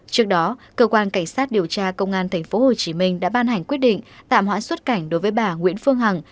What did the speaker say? trước đó cơ quan cảnh sát điều tra công an tp hcm đã ban hành quyết định tạm hoãn xuất cảnh đối với bà nguyễn phương hằng